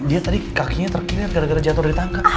dia tadi kakinya terkirat gara gara jatuh dari tangga